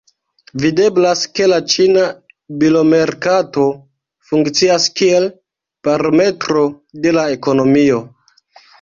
Videblas ke la ĉina bilomerkato funkcias kiel barometro de la ekonomio.